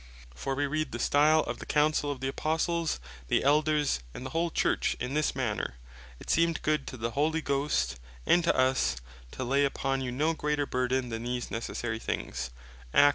For we read (Acts 15.28.) the stile of the Councell of the Apostles, the Elders, and the whole Church, in this manner, "It seemed good to the Holy Ghost, and to us, to lay upon you no greater burthen than these necessary things, &C."